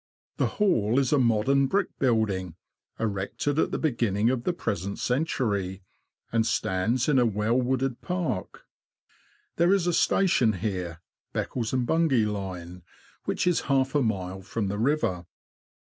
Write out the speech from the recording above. The Hall is a modern brick building, erected at the beginning of the present century, and stands in a well wooded park. There is a station here (Beccles and Bungay line), which is half a mile from the river.